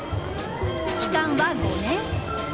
期間は５年。